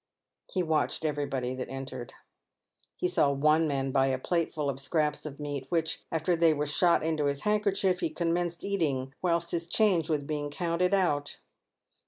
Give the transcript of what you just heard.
He watched everybody that entered. He saw one man buy a plate full of scraps of meat, which, after they were shot into his handkerchief, he commenced eating whilst his change was being counted out.